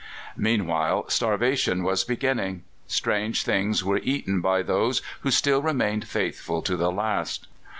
Meanwhile, starvation was beginning: strange things were eaten by those who still remained faithful to the last.